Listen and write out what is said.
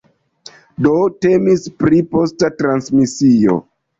Do temis pri la posta transmisio.